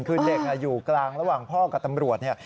คือเด็กอยู่กลางระหว่างพ่อกับตำรวจเนี่ย